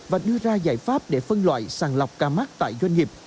và đưa ra giải pháp để phân loại sàng lọc ca mắc tại doanh nghiệp